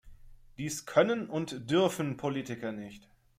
Dies können und dürfen Politiker nicht.